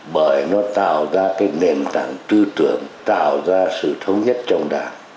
bởi nó tạo ra cái nền tảng tư tưởng tạo ra sự thống nhất trong đảng